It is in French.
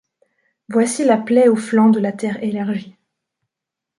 Voici la plaie au flanc de la terre élargie